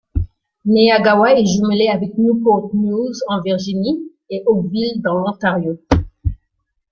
Neyagawa est jumelée avec Newport News en Virginie et Oakville dans l'Ontario.